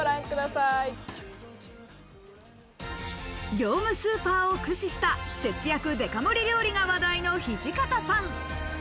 業務スーパーを駆使した節約デカ盛り料理が話題の土方さん。